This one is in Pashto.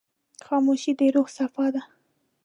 خاموشي، د روح صفا ده.